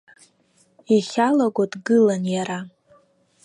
Ихьалаго дгылан иара.